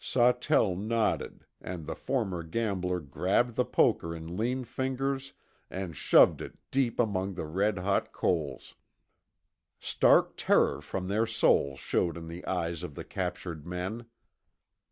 Sawtell nodded, and the former gambler grabbed the poker in lean fingers and shoved it deep among the red hot coals. Stark terror from their souls showed in the eyes of the captured men.